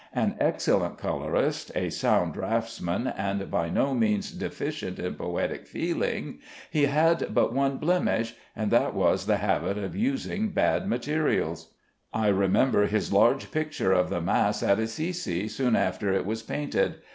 An excellent colorist, a sound draughtsman, and by no means deficient in poetic feeling, he had but one blemish, and that was the habit of using bad materials. I remember his large picture of the Mass at Assisi soon after it was painted.